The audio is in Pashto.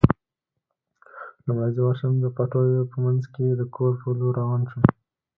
لومړی زه ورشم، د پټیو په منځ کې د کور په لور روان شوم.